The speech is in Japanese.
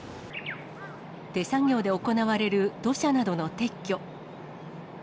手作業で行われる土砂などの撤去。